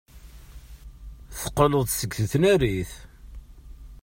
Teqqel-d seg tnarit.